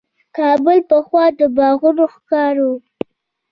کابل پخوا د باغونو ښار و.